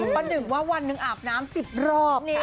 ประดึงว่าวันหนึ่งอาบน้ำสิบรอบค่ะ